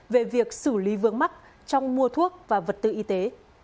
về việc xử lý vướng mắc trong mua thuốc và vật tư y tế